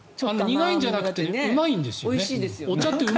苦いんじゃなくてうまいんですよ。